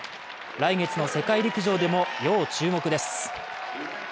来月の世界陸上デモ要注目です。